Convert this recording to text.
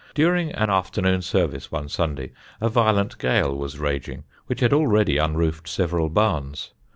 During an afternoon service one Sunday a violent gale was raging which had already unroofed several barns.